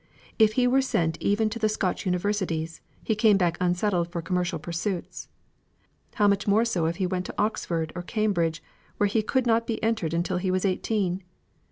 If he were sent to even the Scotch Universities, he came back unsettled for commercial pursuits: how much more so if he went to Oxford or Cambridge, where he could not be entered till he was eighteen?